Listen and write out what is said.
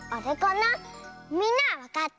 みんなはわかった？